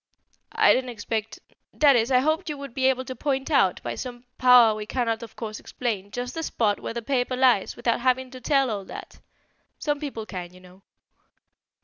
"I didn't expect that is, I hoped you would be able to point out, by some power we cannot of course explain, just the spot where the paper lies, without having to tell all that. Some people can, you know."